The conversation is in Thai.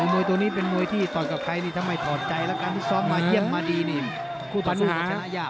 มวยตัวนี้เป็นมวยที่ต่อกับใครนี่ทำไมถอดใจแล้วกันที่ซ้อมมาเยี่ยมมาดีเนี่ย